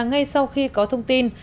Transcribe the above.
ngay sau khi có thông tin